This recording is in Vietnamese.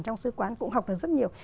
trong sư quán cũng học được rất nhiều